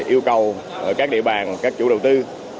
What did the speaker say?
yêu cầu các địa bàn các chủ đầu tư